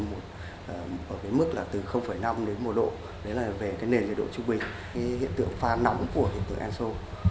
ở cái mức là từ năm đến một độ đấy là về cái nền nhiệt độ trung bình cái hiện tượng pha nóng của hiện tượng enso